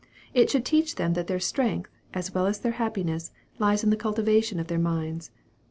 It should teach them that their strength, as well as their happiness, lies in the cultivation of their minds.